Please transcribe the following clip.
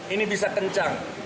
ini bisa kencang